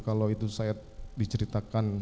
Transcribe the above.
kalau itu saya diceritakan